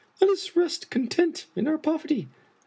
Let us rest content in our poverty.